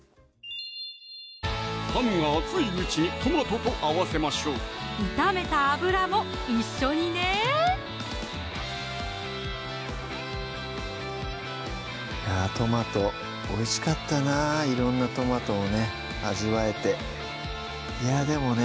ハムが熱いうちにトマトと合わせましょう炒めた油も一緒にねいやぁトマトおいしかったな色んなトマトをね味わえていやでもね